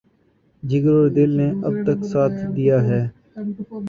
جگر اور دل نے اب تک ساتھ دیا ہے۔